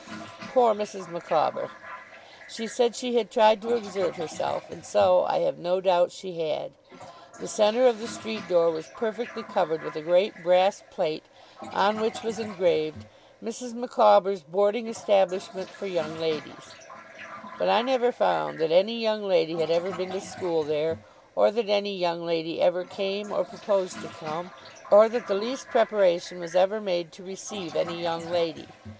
Poor Mrs. Micawber! She said she had tried to exert herself, and so, I have no doubt, she had. The centre of the street door was perfectly covered with a great brass plate, on which was engraved 'Mrs. Micawber's Boarding Establishment for Young Ladies': but I never found that any young lady had ever been to school there; or that any young lady ever came, or proposed to come; or that the least preparation was ever made to receive any young lady.